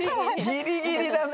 ギリギリだね！